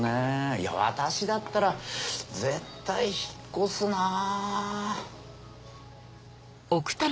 いや私だったら絶対引っ越すなぁ。